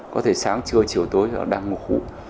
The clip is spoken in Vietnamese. có thể sáng trưa chiều tối đăng ngục hũ